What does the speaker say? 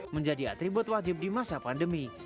menjadi atribut wajib di masa pandemi